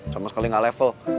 sama sekali gak level